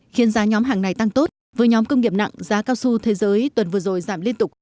khiến giá nhóm hàng này tăng tốt với nhóm công nghiệp nặng giá cao su thế giới tuần vừa rồi giảm liên tục